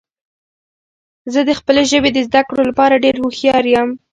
زه د خپلې ژبې د زده کړو لپاره ډیر هوښیار یم.